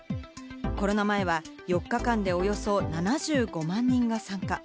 コロナ前は４日間でおよそ７５万人が参加。